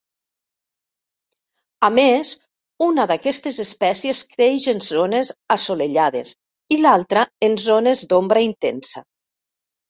A més, una d'aquestes espècies creix en zones assolellades i l'altra en zones d'ombra intensa.